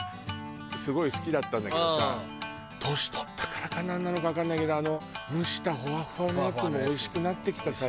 すごい好きだったんだけどさ年取ったからかなんなのかわかんないけどあの蒸したホワホワのやつもおいしくなってきた最近。